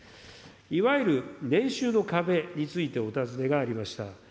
いわゆる年収の壁についてお尋ねがありました。